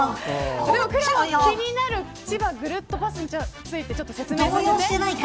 でも、くらもん気になる千葉ぐるっとパスについて説明するね。